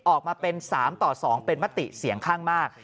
ออกมาเป็น๓ต่อ๒เป็นมติเสียงข้างมาก